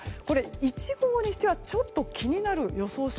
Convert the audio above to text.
これ１号にしてはちょっと気になる予想